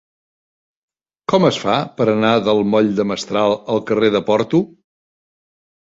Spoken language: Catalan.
Com es fa per anar del moll de Mestral al carrer de Porto?